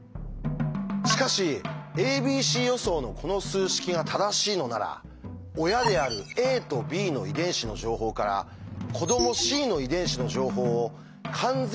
しかし「ａｂｃ予想」のこの数式が正しいのなら親であるａとｂの遺伝子の情報から子どもｃの遺伝子の情報を完全とは言えないもののある程度予言できるというんです。